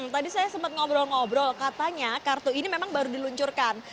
tadi saya sempat ngobrol ngobrol katanya kartu ini memang baru diluncurkan